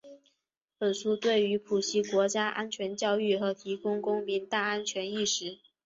本书对于普及国家安全教育和提高公民“大安全”意识